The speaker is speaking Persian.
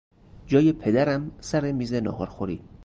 جای پدرم سر میز ناهارخوری